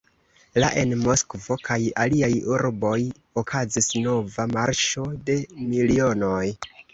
La en Moskvo kaj aliaj urboj okazis nova "Marŝo de milionoj".